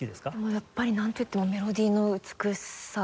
やっぱりなんといってもメロディの美しさ。